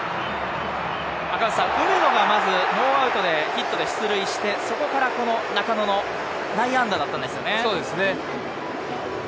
梅野がまずノーアウトでヒットで出塁して、そこからこの中野の内野安打だったんですよね。